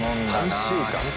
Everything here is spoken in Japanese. ３週間。